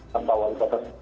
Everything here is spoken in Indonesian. sampai awal kota